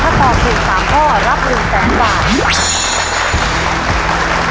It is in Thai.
ถ้าตอบถูกสามข้อรับหนึ่งแสนบาท